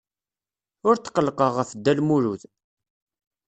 Ur tqellqeɣ ɣef Dda Lmulud.